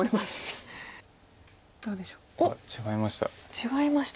違いました。